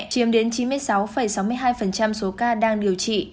chiếm đến chín mươi sáu sáu mươi hai số ca đang điều trị